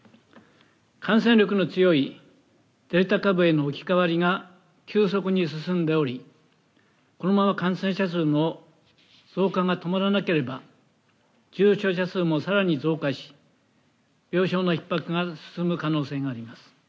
感染力の強いデルタ株への置き換わりが急速に進んでおりこのまま感染者数の増加が止まらなければ重症者数も更に増加し病床のひっ迫が進む可能性があります。